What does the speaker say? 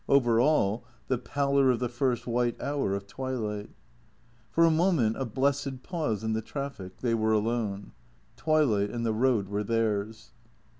Over all, the pallor of the first white hour of twilight. For a moment, a blessed pause in the traffic, they were alone ; twilight and the road were theirs.